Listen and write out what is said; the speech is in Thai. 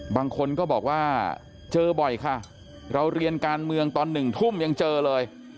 บางคนก็บอกว่าเจอบ่อยค่ะเราเรียนการเมืองตอน๑ทุ่มยังเจอเลย